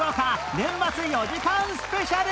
年末４時間スペシャル